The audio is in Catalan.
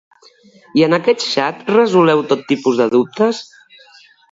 I en aquest xat resoleu tot tipus de dubtes?